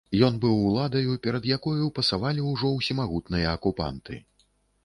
Ён быў уладаю, перад якою пасавалі ўжо ўсемагутныя акупанты.